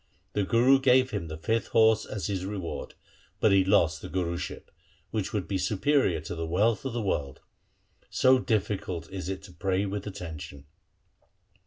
The Guru gave him the fifth horse as his reward, but he lost the Guruship, which would be superior to the wealth of the world. So difficult is it to pray with attention.